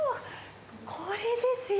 これですよ。